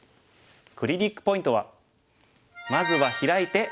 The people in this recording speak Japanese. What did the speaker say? クリニックポイントは。